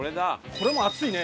これも厚いね！